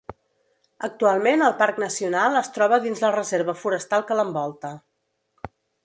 Actualment el parc nacional es troba dins la reserva forestal que l'envolta.